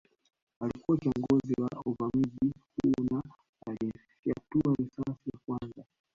Alikuwa kiongozi wa uvamizi huu na aliyefyatua risasi ya kwanza